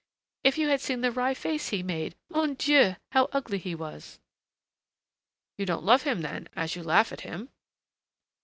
If you had seen the wry face he made! Mon Dieu, how ugly he was!" "You don't love him then, as you laugh at him?"